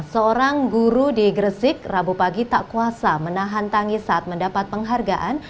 seorang guru di gresik rabu pagi tak kuasa menahan tangis saat mendapat penghargaan